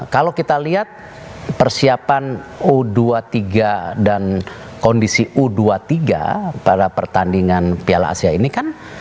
kalau kita lihat persiapan u dua puluh tiga dan kondisi u dua puluh tiga pada pertandingan piala asia ini kan